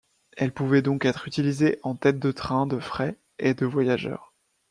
Elles pouvaient donc être utilisée en tête de trains de fret et de voyageurs.